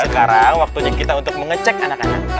sekarang waktunya kita untuk mengecek anak anak